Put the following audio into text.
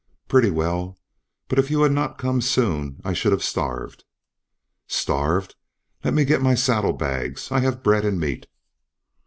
"Pretty well. But if you had not come soon I should have starved." "Starved? Let me get my saddle bags I have bread and meat."